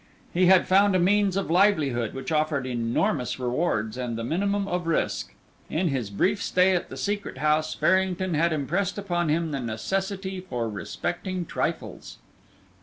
He had found a means of livelihood, which offered enormous rewards and the minimum of risk. In his brief stay at the Secret House, Farrington had impressed upon him the necessity for respecting trifles.